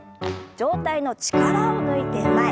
上体の力を抜いて前。